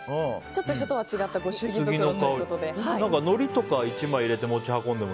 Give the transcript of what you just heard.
ちょっと人とは違ったご祝儀袋ということで。